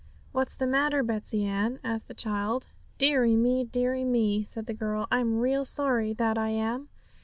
'What's the matter, Betsey Ann?' asked the child. 'Deary me, deary me!' said the girl; 'I'm real sorry, that I am!'